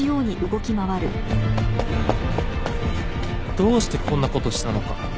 どうしてこんなことしたのか。